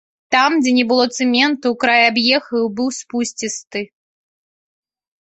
Там, дзе не было цэменту, край аб'ехаў і быў спусцісты.